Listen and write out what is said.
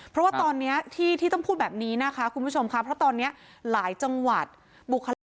เพราะว่าตอนนี้ที่ต้องพูดแบบนี้นะคะคุณผู้ชมค่ะเพราะตอนนี้หลายจังหวัดบุคลา